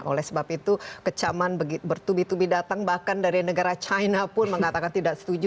oleh sebab itu kecaman bertubi tubi datang bahkan dari negara china pun mengatakan tidak setuju